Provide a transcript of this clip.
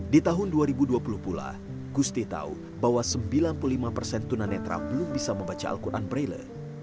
di tahun dua ribu dua puluh pula gusti tahu bahwa sembilan puluh lima persen tunanetra belum bisa membaca al quran braille